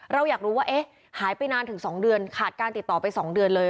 เราอยากรู้ว่าเอ๊ะหายไปนานถึง๒เดือนขาดการติดต่อไป๒เดือนเลย